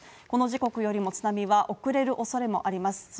この時刻よりも津波は遅れる恐れもあります